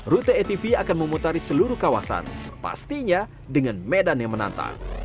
rute atv akan memutari seluruh kawasan pastinya dengan medan yang menantang